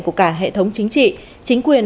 của cả hệ thống chính trị chính quyền